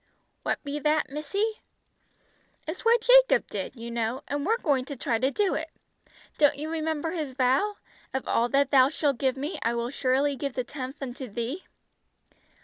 "What be that, missy?" "It's what Jacob did, you know, and we're going to try to do it. Don't you remember his vow? 'Of all that Thou shalt give me, I will surely give the tenth unto Thee.'"